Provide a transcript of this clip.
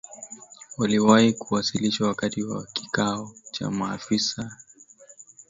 waliwahi kuwasilishwa wakati wa kikao cha maafisa wa ujasusi kati ya Jamuhuri ya Demokrasia ya Kongo na